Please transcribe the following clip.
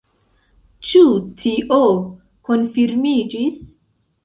Ĉu tio konfirmiĝis?